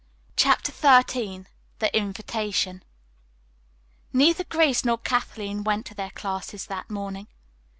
CHAPTER XIII THE INVITATION Neither Grace nor Kathleen went to their classes that morning.